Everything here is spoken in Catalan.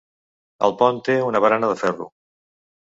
El pont té una barana de ferro.